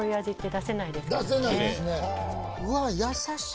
出せないですねうわ。